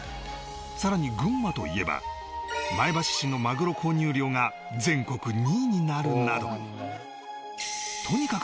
さらに群馬といえば前橋市のマグロ購入量が全国２位になるなど